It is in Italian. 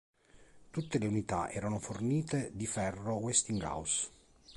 Tutte le unità erano fornite di freno Westinghouse.